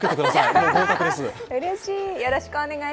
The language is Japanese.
もう合格です。